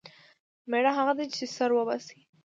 مېړه هغه دی چې سر وباسي.